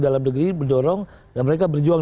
dalam negeri mendorong dan mereka berjuang